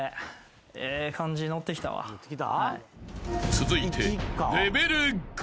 ［続いて］